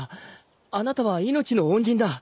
あなたは命の恩人だ。